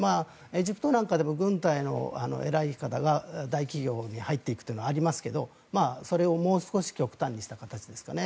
エジプトなんかでも軍隊の偉い方が大企業に入っていくというのはありますがそれをもう少し極端にした形ですかね。